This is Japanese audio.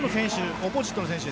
オポジットの選手。